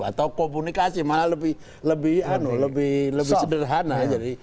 atau komunikasi malah lebih sederhana